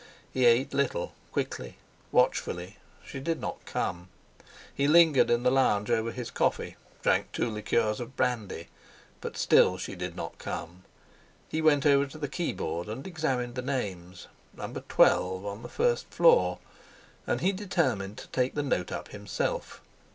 He ate little, quickly, watchfully. She did not come. He lingered in the lounge over his coffee, drank two liqueurs of brandy. But still she did not come. He went over to the keyboard and examined the names. Number twelve, on the first floor! And he determined to take the note up himself.